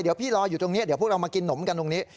เดี๋ยวพี่รออยู่ตรงนี้เดี๋ยวพวกเรามากินนมกันตรงนี้